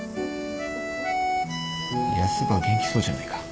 ヤスば元気そうじゃないか。